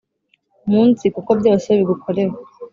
Munsi kuko byose bigukorera